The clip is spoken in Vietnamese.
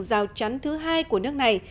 rào chắn thứ hai của nước này